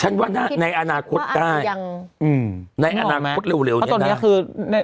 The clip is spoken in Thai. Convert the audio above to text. ในอนาคตได้ในอนาคตเร็วนี้ได้